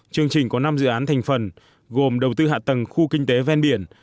chương trình có năm dự án thành phần gồm đầu tư hạ tầng khu kinh tế ven biển